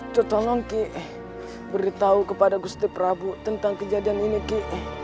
itu tolong ki beritahu kepada gusti prabu tentang kejadian ini ki